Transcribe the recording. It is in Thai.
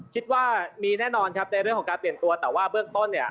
คิดว่ามีแน่นอนครับในเรื่องของการเปลี่ยนตัวแต่ว่าเบื้องต้นเนี่ย